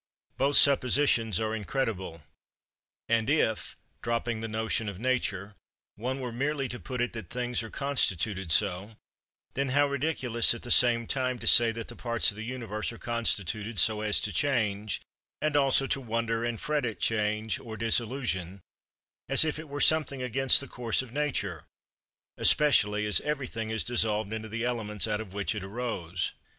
Both suppositions are incredible. And if, dropping the notion of Nature, one were merely to put it that things are constituted so, then how ridiculous at the same time to say that the parts of the Universe are constituted so as to change, and also to wonder and fret at change or dissolution, as if it were something against the course of Nature; especially as everything is dissolved into the elements out of which it arose.